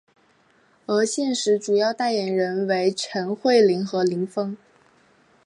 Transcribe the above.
而现时主要代言人为陈慧琳和林峰。